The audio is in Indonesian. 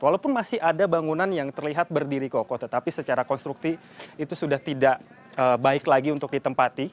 walaupun masih ada bangunan yang terlihat berdiri kokoh tetapi secara konstruktif itu sudah tidak baik lagi untuk ditempati